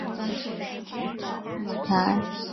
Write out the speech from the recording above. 母五台郡君。